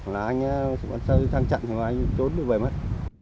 là anh ấy chạy sang chặn rồi anh ấy trốn được về mất